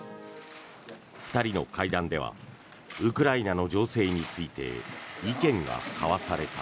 ２人の会談ではウクライナの情勢について意見が交わされた。